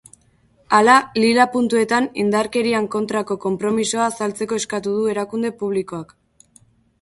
Hala, lila puntuetan indarkerian kontrako konpromisoa azaltzeko eskatu du erakunde publikoak.